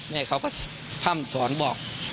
แม่เขาก็พร่ำสอนบอก